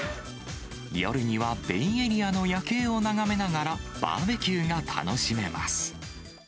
夜にはベイエリアの夜景を眺めながら、バーベキューが楽しめます。